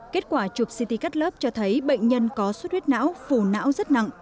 kết quả chụp ct cắt lớp cho thấy bệnh nhân có suất huyết não phù não rất nặng